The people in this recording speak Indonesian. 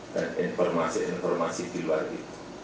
dan informasi informasi di luar itu